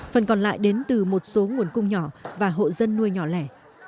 phần còn lại đến từ một số nguồn cung nhỏ và hộ dân nuôi nhỏ lẻ